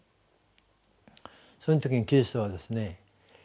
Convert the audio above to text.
その時にキリストはですね